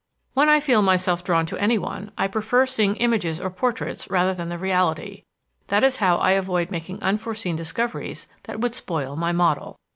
"When I feel myself drawn to anyone, I prefer seeing images or portraits rather than the reality. That is how I avoid making unforeseen discoveries that would spoil my model.